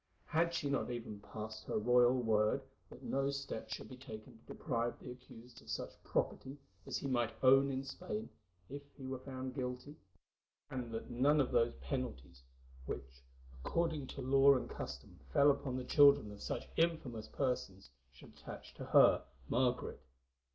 Had she not even passed her royal word that no steps should be taken to deprive the accused of such property as he might own in Spain if he were found guilty, and that none of those penalties which, according to law and custom fell upon the children of such infamous persons, should attach to her, Margaret?